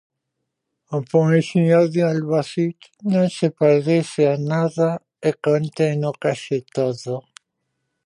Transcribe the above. A poesía de Alba Cid non se parece a nada e conteno case todo.